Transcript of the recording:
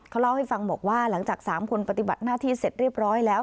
เขาเล่าให้ฟังบอกว่าหลังจาก๓คนปฏิบัติหน้าที่เสร็จเรียบร้อยแล้ว